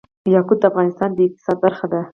یاقوت د افغانستان د اقتصاد برخه ده.